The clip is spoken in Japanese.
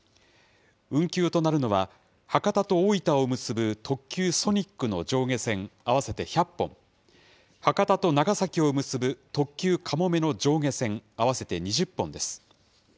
運休となるのは、博多と大分を結ぶ特急ソニックの上下線合わせて１００本、博多と長崎を結ぶ特急かもめの上下線合わせて２０本です。